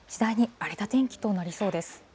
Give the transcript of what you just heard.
風も非常に強く、次第に荒れた天気となりそうです。